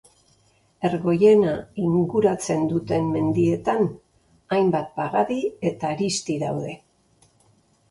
Ergoiena inguratzen duten mendietan, hainbat pagadi eta harizti daude.